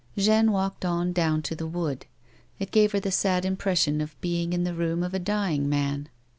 Jeanne walked on down to the wood. It gave her the sad impression of being in the room of a dying man.